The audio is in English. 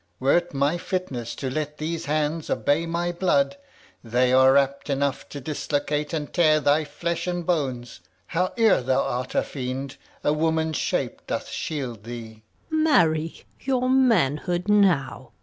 Were't my fitness To let these hands obey my blood, They are apt enough to dislocate and tear Thy flesh and bones. Howe'er thou art a fiend, A woman's shape doth shield thee.